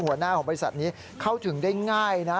หัวหน้าของบริษัทนี้เข้าถึงได้ง่ายนะ